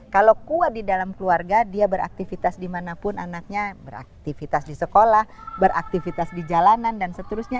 kalau kuat di dalam keluarga dia beraktivitas dimanapun anaknya beraktivitas di sekolah beraktivitas di jalanan dan seterusnya